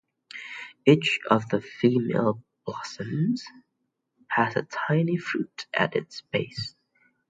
Each of the female blossoms has a tiny fruit at its base.